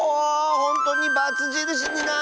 ほんとにバツじるしになった！